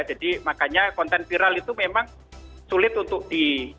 jadi makanya konten viral itu memang sulit untuk di